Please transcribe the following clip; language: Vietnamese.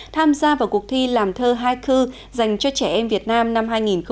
tham gia vào cuộc thi làm thơ haiku dành cho trẻ em việt nam năm hai nghìn một mươi chín